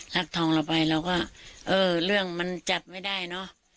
รักทองเราไปเราก็เออเรื่องมันจัดไม่ได้เนอะ